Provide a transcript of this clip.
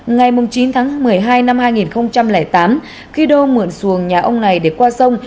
ngày chín tháng một mươi hai năm hai nghìn tám khi đô mượn xuồng nhà ông này để qua sông